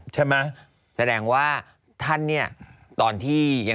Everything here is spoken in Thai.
ใช่มั้ย